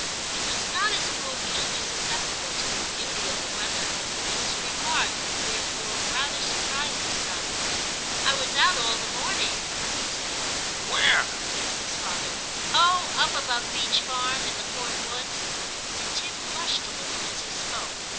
He was not as a rule keenly susceptible to the beauty of the weather, and his remark therefore rather surprised his son. * I was out all the morning,' he said. * Where ?' asked his father. * Oh ! up above Beech Farm, in the Court woods,' and Tim blushed a little as he spoke.